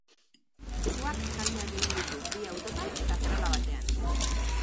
Suak kalteak egin ditu bi autotan eta farola batean.